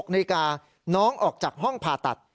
๖นาฬิกาน้องออกจากห้องผ่าตัด